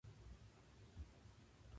対象